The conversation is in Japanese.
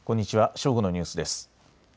正午のニュースです。